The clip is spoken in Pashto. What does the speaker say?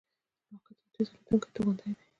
راکټ یو تېز الوتونکی توغندی دی